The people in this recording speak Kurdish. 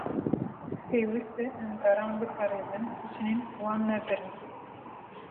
Pêwîst e em daran biparêzin, biçînin û wan nebirin.